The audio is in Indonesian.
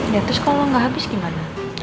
ya terus kalau nggak habis gimana